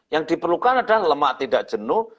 yang diperlukan adalah lemak tidak jenuh